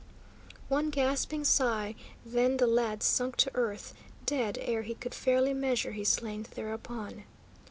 One gasping sigh, then the lad sunk to earth, dead ere he could fairly measure his length thereupon.